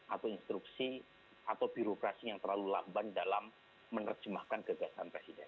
atau instruksi atau birokrasi yang terlalu lamban dalam menerjemahkan gagasan presiden